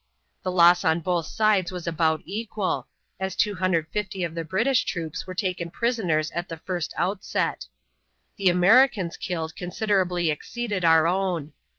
The loss on both sides was about equal, as 250 of the British troops were taken prisoners at the first outset. The American killed considerably exceeded our own.